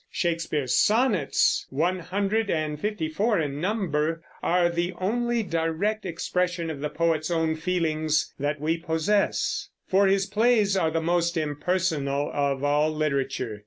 Shakespeare's Sonnets, one hundred and fifty four in number, are the only direct expression of the poet's own feelings that we possess; for his plays are the most impersonal in all literature.